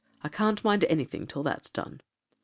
I can't mind any thing till that's done.'